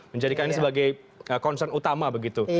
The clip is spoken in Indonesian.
menjadikan ini sebagai concern utama begitu